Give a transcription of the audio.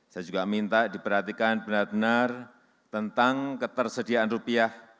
saya juga minta diperhatikan benar benar tentang ketersediaan rupiah